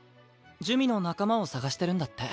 珠魅の仲間を捜してるんだって。